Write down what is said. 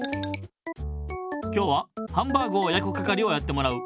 今日はハンバーグをやくかかりをやってもらう。